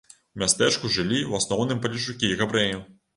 У мястэчку жылі ў асноўным палешукі і габрэі.